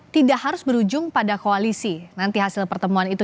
tidak harus berujung pada koalisi nanti hasil pertemuan itu